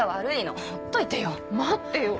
待ってよ。